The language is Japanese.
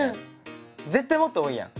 絶対もっと多いやん。